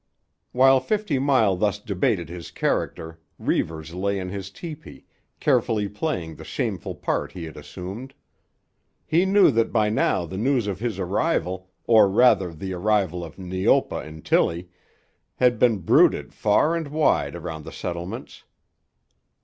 '" While Fifty Mile thus debated his character, Reivers lay in his tepee, carefully playing the shameful part he had assumed. He knew that by now the news of his arrival, or rather the arrival of Neopa and Tillie, had been bruited far and wide around the settlements.